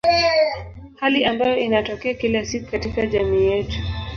Hali ambayo inatokea kila siku katika jamii yetu.